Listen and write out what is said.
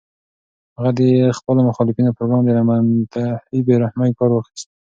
هغه د خپلو مخالفینو پر وړاندې له منتهی بې رحمۍ کار واخیست.